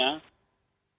dan juga makanan